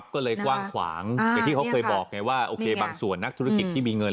ก็เลยกว้างขวางอย่างที่เขาเคยบอกไงว่าโอเคบางส่วนนักธุรกิจที่มีเงิน